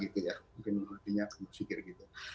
mungkin dalam hatinya aku berpikir begitu